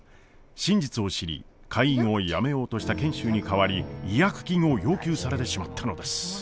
真実を知り会員をやめようとした賢秀に代わり違約金を要求されてしまったのです。